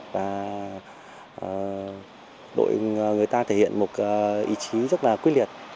và đội người ta thể hiện một ý chí rất là quyết liệt